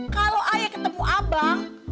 kalau ayo ketemu abang